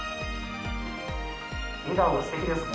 笑顔がすてきですね。